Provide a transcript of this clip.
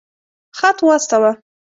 خط واستاوه.